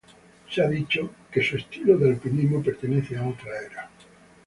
Se ha dicho que "su estilo de alpinismo pertenece a otra era".